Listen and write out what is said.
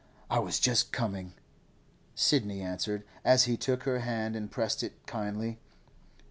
'I was just coming,' Sidney answered, as he took her hand and pressed it kindly.